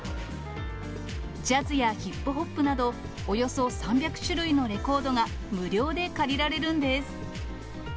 ジャズやヒップホップなどおよそ３００種類のレコードが無料で借りられるんです。